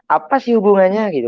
apa sih hubungannya gitu